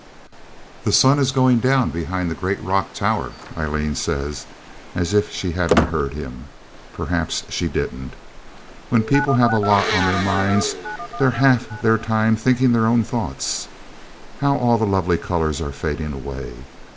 'The sun is going down behind the great rock tower,' Aileen says, as if she hadn't heard him. Perhaps she didn't. When people have a lot on their minds they're half their time thinking their own thoughts. 'How all the lovely colours are fading away.